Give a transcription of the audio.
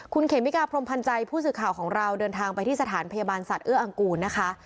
คุณเขมิกาพรมพันธ์ใจผู้สื่อข่าวของเราเดินทางไปที่สถานพยาบาลสัตว์เอื้ออังกูลนะคะ